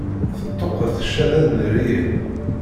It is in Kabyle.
Teṭṭuqqet ccada n rrya.